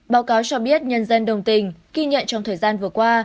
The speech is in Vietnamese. báo cáo cho biết nhân dân đồng tình ghi nhận trong thời gian vừa qua